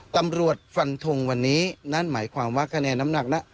ฟันทงวันนี้นั่นหมายความว่าคะแนนน้ำหนักนะ